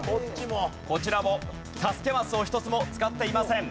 こちらも助けマスを１つも使っていません。